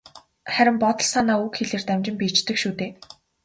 Харин бодол санаа үг хэлээр дамжин биеждэг шүү дээ.